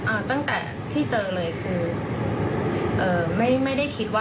อาจที่ผมเจอของคุณค่ะ